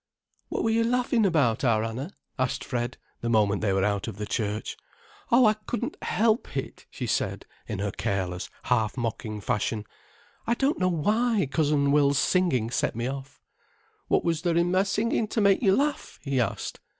"What were you laughing about, our Anna?" asked Fred, the moment they were out of the church. "Oh, I couldn't help it," she said, in her careless, half mocking fashion. "I don't know why Cousin Will's singing set me off." "What was there in my singing to make you laugh?" he asked.